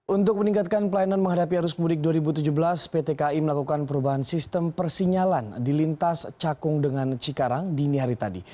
untuk meningkatkan pelayanan menghadapi arus mudik dua ribu tujuh belas pt kai melakukan perubahan sistem persinyalan di lintas cakung dengan cikarang dini hari tadi